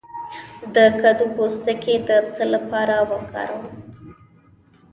د کدو پوستکی د څه لپاره وکاروم؟